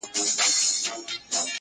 شهادت د حماقت يې پر خپل ځان كړ،